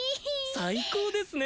最高ですね。